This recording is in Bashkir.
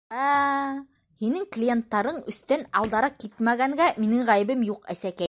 Ә, ә! һинең клиенттарың өстән алдараҡ китмәгәнгә минең ғәйебем юҡ, әсәкәй!